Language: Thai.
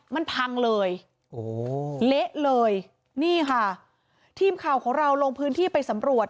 มันพังเลยโอ้โหเละเลยนี่ค่ะทีมข่าวของเราลงพื้นที่ไปสำรวจ